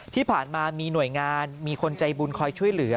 ที่ผ่านมามีหน่วยงานมีคนใจบุญคอยช่วยเหลือ